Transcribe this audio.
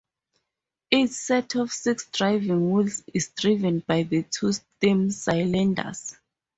Each set of six driving wheels is driven by two steam cylinders.